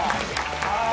はい。